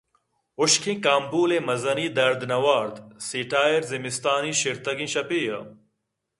حُشکیں کانپول ءِ مزنی درد نہ وارت سیٹائر زِمستانی شرتگیں شپے ءَ